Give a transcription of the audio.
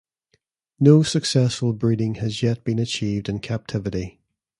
No successful breeding has yet been achieved in captivity.